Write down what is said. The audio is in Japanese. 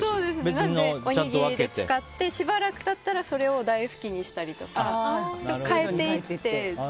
使って、しばらく経ったらそれを台ふきんにしたりとか変えていって。